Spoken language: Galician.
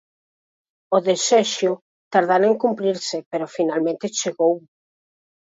O desexo tardara en cumprirse, pero finalmente chegou.